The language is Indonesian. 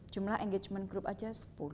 jumlah engagement group saja sepuluh